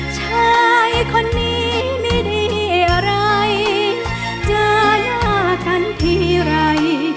ชายคนนี้ไม่ได้อะไรเจอหน้ากันทีไร